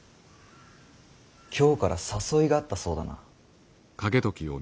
京から誘いがあったそうだな。